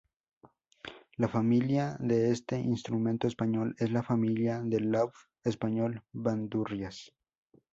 La familia de este instrumento español es la familia del laúd español-bandurrias.